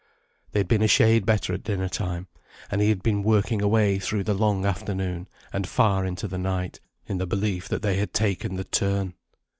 They had been a shade better at dinner time, and he had been working away through the long afternoon, and far into the night, in the belief that they had taken the turn.